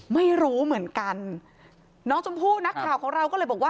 ไม่รู้เหมือนกันน้องชมพู่นักข่าวของเราก็เลยบอกว่า